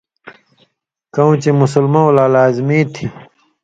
کؤں چے مسُلمؤں لا لازمی تھی